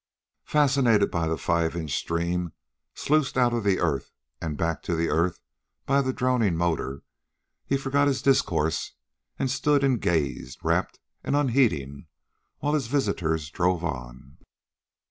Fascinated by the five inch stream, sluiced out of the earth and back to the earth by the droning motor, he forgot his discourse and stood and gazed, rapt and unheeding, while his visitors drove on.